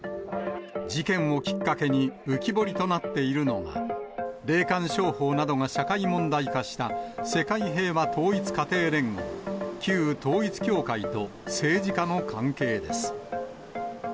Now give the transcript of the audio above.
事件をきっかけに浮き彫りとなっているのが、霊感商法などが社会問題化した、世界平和統一家庭連合、旧統一教会と政治家の関係です。